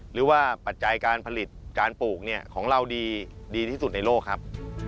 หรือว่าปัจจัยการผลิตจานปลูกของเรานี่ดีที่สุดในโลกครับ